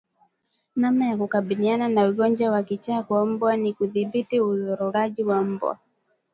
Namna ya kukabiliana na ugonjwa wa kichaa cha mbwa ni kudhibiti uzururaji wa mbwa